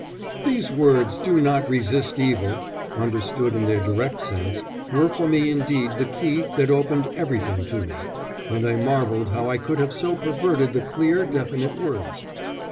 "These words, 'Do not resist evil,' understood in their direct sense, were for me indeed the key that opened everything to me, and I marvelled how I could have so perverted the clear, definite words."